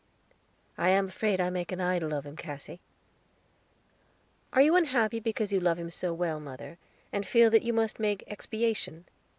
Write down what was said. "I am afraid I make an idol of him, Cassy." "Are you unhappy because you love him so well, mother, and feel that you must make expiation?"